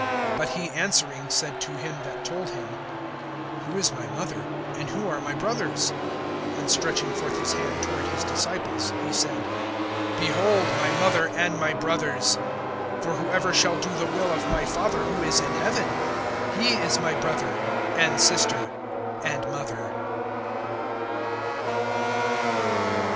(48)But he answering said to him that told him: Who is my mother, and who are my brothers? (49)And stretching forth his hand toward his disciples, he said: Behold my mother and my brothers! (50)For whoever shall do the will of my Father who is in heaven, he is my brother, and sister, and mother.